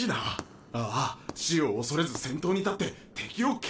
ああ死を恐れず先頭に立って敵を蹴散らしたと。